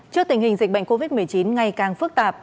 trước tình hình dịch bệnh covid một mươi chín ngày càng phức tạp